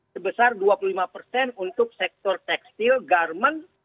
sebesar dua puluh lima persen untuk sektor tekstil garmen